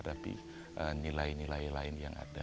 tapi nilai nilai lain yang ada